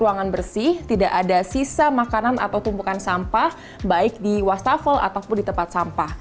ruangan bersih tidak ada sisa makanan atau tumpukan sampah baik di wastafel ataupun di tempat sampah